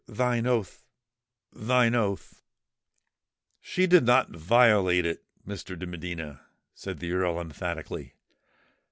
thine oath—thine oath!" "She did not violate it, Mr. de Medina," said the Earl emphatically.